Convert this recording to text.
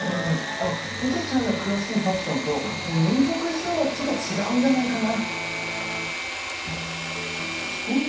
あのいげちゃんが詳しいファッションと民族衣装はちょっと違うんじゃないかな？